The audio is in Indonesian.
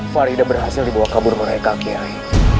farida berhasil dibawa kabur mereka kiai